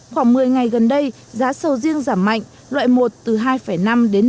khoảng một mươi ngày gần đây giá sầu riêng giảm mạnh loại một từ hai năm đến năm kg